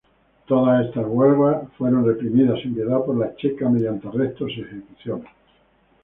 Todas estas huelgas fueron reprimidas sin piedad por la Checa mediante arrestos y ejecuciones.